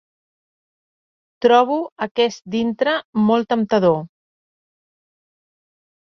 Trobo aquest dintre molt temptador.